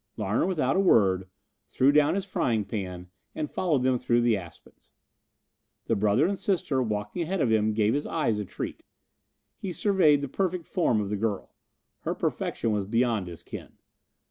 Larner, without a word, threw down his frying pan and followed them through the aspens. The brother and sister walking ahead of him gave his eyes a treat. He surveyed the perfect form of the girl. Her perfection was beyond his ken.